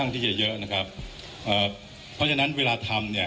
คุณผู้ชมไปฟังผู้ว่ารัฐกาลจังหวัดเชียงรายแถลงตอนนี้ค่ะ